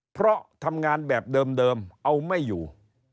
เพราะทำงานแบบเดิมเอาไม่อยู่